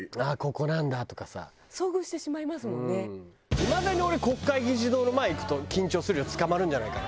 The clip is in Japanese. いまだに俺国会議事堂の前行くと緊張するよ捕まるんじゃないかな。